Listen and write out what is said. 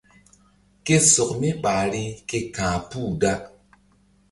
Ku sɔk mi ɓahri ke ka̧h puh da.